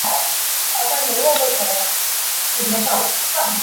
绍兴三十二年六月宋孝宗即位沿用。